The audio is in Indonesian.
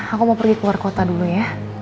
aku mau pergi ke luar kota dulu ya